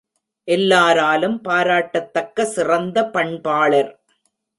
எல்லாராலும் பாராட்டத்தக்க சிறந்த பண்பாளர்!